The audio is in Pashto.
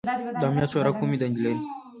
د امنیت شورا کومې دندې لري؟